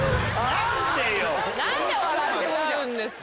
⁉何で笑っちゃうんですか？